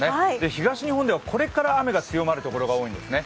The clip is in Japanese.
東日本ではこれから雨が強まる所が多いんですね。